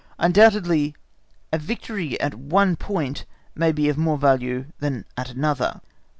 Undoubtedly a victory at one point may be of more value than at another.